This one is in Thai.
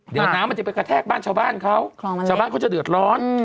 เดี๋ยวน้ำมันจะไปกระแทกบ้านชาวบ้านเขาชาวบ้านเขาจะเดือดร้อน